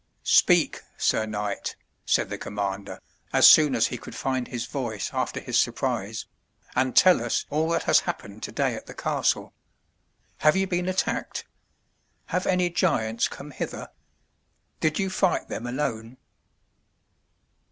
"Speak, Sir Knight," said the commander, as soon as he could find his voice after his surprise, "and tell us all that has happened today at the castle. Have you been attacked? Have any giants come hither? Did you fight them alone?"